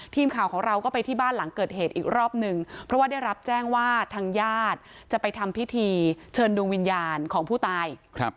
ทีมข่าวของเราก็ไปที่บ้านหลังเกิดเหตุอีกรอบหนึ่งเพราะว่าได้รับแจ้งว่าทางญาติจะไปทำพิธีเชิญดวงวิญญาณของผู้ตาย